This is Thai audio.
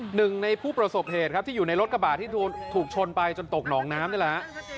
หนึ่งในผู้ประสบเหตุครับที่อยู่ในรถกระบาดที่ถูกชนไปจนตกหนองน้ำนี่แหละฮะ